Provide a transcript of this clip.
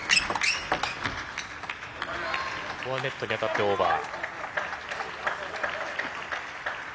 ネットに当たってオーバー。